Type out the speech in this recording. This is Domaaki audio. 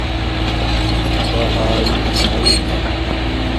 بہاری اݺی